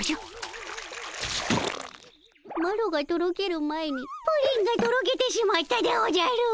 マロがとろける前にプリンがとろけてしまったでおじゃる！